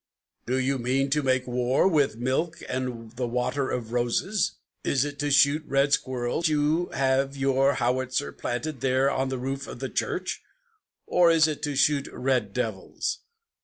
do you mean to make war with milk and the water of roses? Is it to shoot red squirrels you have your howitzer planted There on the roof of the church, or is it to shoot red devils?